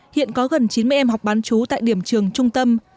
hiện có gần chín mươi em học bán chú tại điểm trường trung tâm